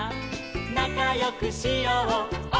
「なかよくしよう